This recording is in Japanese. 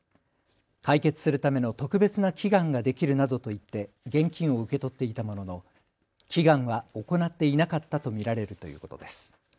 解決するための特別な祈願ができるなどと言って現金を受け取っていたものの祈願は行っていなかったと見られるということです。